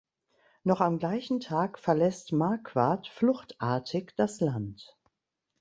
Noch am gleichen Tag verlässt Marquardt fluchtartig das Land.